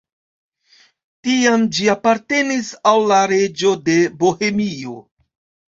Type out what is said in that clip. Tiam ĝi apartenis al la reĝo de Bohemio.